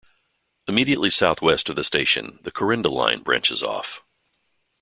Immediately south-west of the station, the Corinda line branches off.